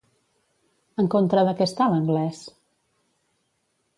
En contra de què està l'anglès?